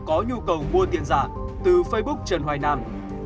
có nhu cầu mua tiền giả từ facebook trần hoài nam